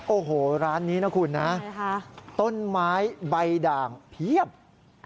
โอ้โหร้านนี้นะคุณนะต้นไม้ใบด่างเพียบนะครับนะครับ